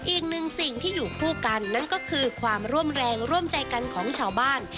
อีกหนึ่งสิ่งที่อยู่คู่กันนั่นก็คือความร่วมแรงร่วมใจกันของชาวบ้าน